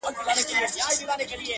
انقلابي نامي نن په نسه کي ډوب و~